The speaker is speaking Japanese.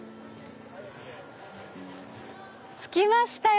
着きましたよ！